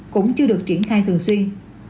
cũng chưa được triển khai thường xuyên